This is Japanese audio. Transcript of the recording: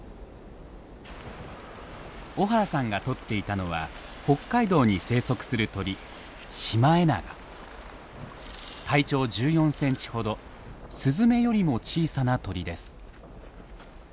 小原さんが撮っていたのは北海道に生息する鳥体長１４センチほどスズメよりも小さな鳥です。